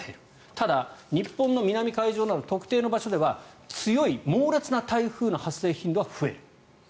ただ日本の南海上など特定の場所では強い猛烈な台風の発生頻度は増える。